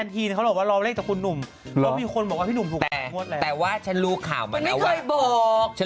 อย่าพูดนะอย่าพูดนะ